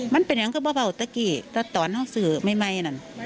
มันเป็นอย่างก็เบาเดี๋ยวก็ตอนนั้นสื่อไม่นั่น